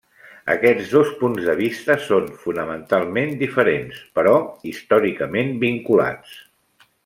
Aquests dos punts de vista són fonamentalment diferents, però històricament vinculats.